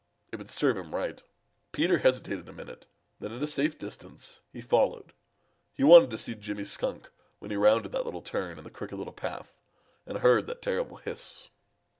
It would serve him right. Peter hesitated a minute, then at a safe distance he followed. He wanted to see Jimmy Skunk when he rounded that little turn in the Crooked Little Path and heard that terrible hiss.